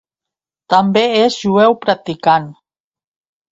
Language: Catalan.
També és jueu practicant.